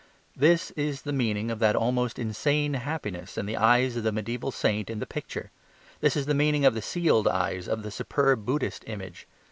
This is the meaning of that almost insane happiness in the eyes of the mediaeval saint in the picture. This is the meaning of the sealed eyes of the superb Buddhist image.